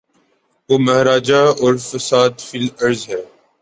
وہ محاربہ اور فساد فی الارض ہے۔